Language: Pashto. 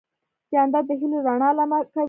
جانداد د هېلو رڼا لمع کوي.